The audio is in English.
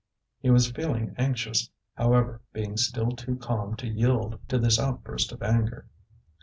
He was feeling anxious, however, being still too calm to yield to this outburst of anger.